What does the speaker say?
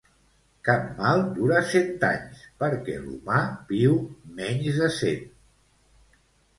Cap mal dura cent anys perquè l'humà viu menys de cent